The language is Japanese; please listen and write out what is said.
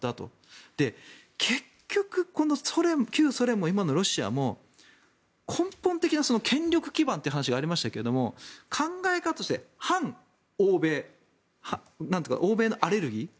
結局この旧ソ連も今のロシアも根本的な権力基盤って話がありましたけど考え方として、反欧米欧米のアレルギー。